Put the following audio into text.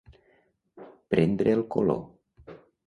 Prendre el color.